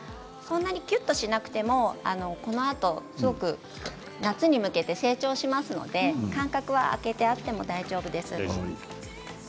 ぎゅっとしなくても、このあと夏に向けて成長しますので間隔を空けてあっても大丈夫です。